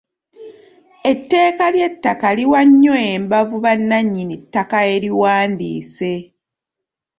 Etteeka ly’ettaka liwa nnyo embavu bannanyini ttaka eriwandiise.